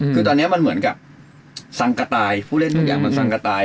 คือตอนนี้มันเหมือนกับสังกระต่ายผู้เล่นทุกอย่างมันสังกระต่าย